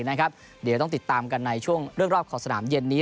เดี๋ยวต้องติดตามกันในช่วงเรื่องรอบขอบสนามเย็นนี้